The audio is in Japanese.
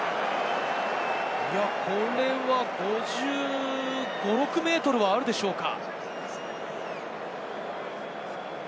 これは５５５６ｍはあるでしょうか？